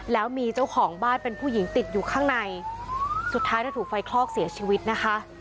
แล้วมีเจ้าของบ้านเป็นผู้หญิงติดอยู่ข้างในสุดท้ายเธอถูกไฟคลอกเสียชีวิตนะคะ